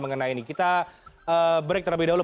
mengenai ini kita break terlebih dahulu